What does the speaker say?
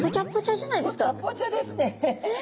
ぽちゃぽちゃですね。